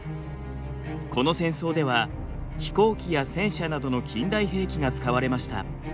この戦争では飛行機や戦車などの近代兵器が使われました。